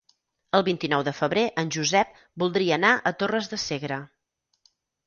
El vint-i-nou de febrer en Josep voldria anar a Torres de Segre.